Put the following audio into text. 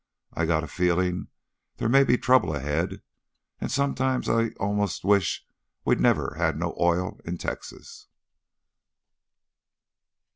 I got a feelin' there may be trouble ahead, an' sometimes I 'most wish we'd never had no oil in Texas."